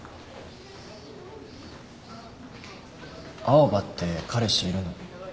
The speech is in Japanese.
青羽って彼氏いるの？